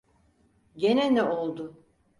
Gene ne oldu?